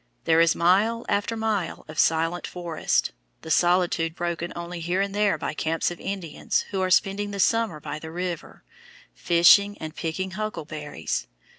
There is mile after mile of silent forest, the solitude broken only here and there by camps of Indians who are spending the summer by the river, fishing and picking huckleberries.